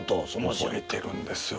覚えてるんですよ。